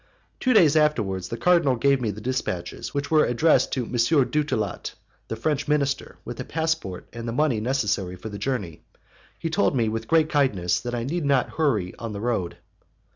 "Two days afterwards, the cardinal gave me the dispatches, which were addressed to M. Dutillot, the French minister, with a passport and the money necessary for the journey. He told me, with great kindness, that I need not hurry on the road.